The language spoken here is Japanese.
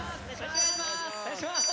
お願いします。